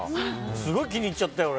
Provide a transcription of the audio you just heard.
すごい気に入っちゃったよ、俺。